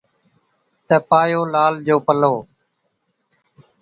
تہ پايو لال جو پلو